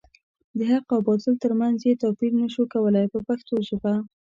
د حق او باطل تر منځ یې توپیر نشو کولای په پښتو ژبه.